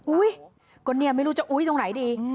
อุ๊ยก็เนี่ยไม่รู้จะอุ๊ยตรงไหนดี